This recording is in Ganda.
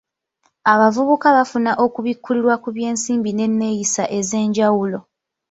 Abavubuka bafuna okubikkulirwa ku by'ensimbi n'enneeyisa ez'enjawulo.